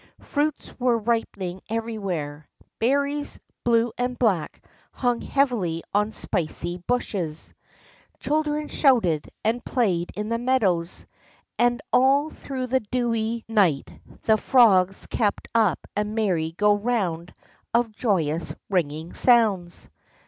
Fruits were ripening every^vhere. Berries, blue and black, hung heavily on spicy bushes. Children shouted and played in the meadows. And all through the dewy 97 98 THE ROCK FROG night the frogs kept up a merry go round of joyous, ringing sounds.